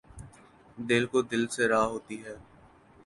دِل کو دِل سے راہ ہوتی ہے